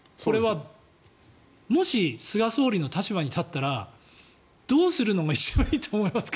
もし、菅総理の立場に立ったらどうするのが一番いいと思いますか？